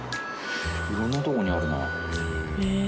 色んなとこにあるな。